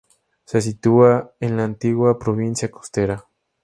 Se sitúa en la antigua Provincia Costera.